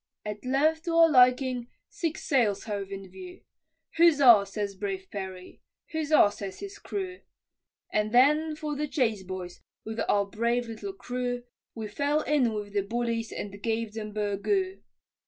At length to our liking, six sails hove in view, Huzzah! says brave Perry, huzzah! says his crew, And then for the chase, boys, with our brave little crew, We fell in with the bullies and gave them "burgoo."